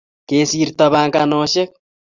kesirto panganosheck